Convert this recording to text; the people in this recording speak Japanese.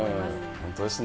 本当ですね。